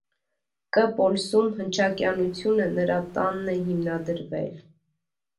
Կ. Պոլսում հնչակյանությունը նրա տանն է հիմնադրվել։